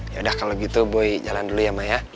yaudah kalau gitu boy jalan dulu ya ma ya